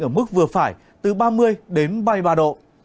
ở mức vừa phải từ ba mươi đến ba mươi ba độ